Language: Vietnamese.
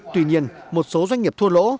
tuy nhiên một số doanh nghiệp thua lỗ